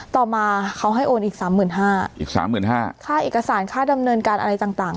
ต่อมาเขาให้โอนอีกสามหมื่นห้าอีกสามหมื่นห้าค่าเอกสารค่าดำเนินการอะไรต่างต่าง